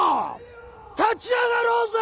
立ち上がろうぜ！